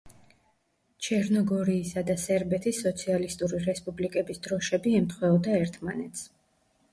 ჩერნოგორიისა და სერბეთის სოციალისტური რესპუბლიკების დროშები ემთხვეოდა ერთმანეთს.